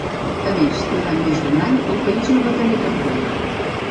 A més, durant més d'un any el país no va tenir cap rei.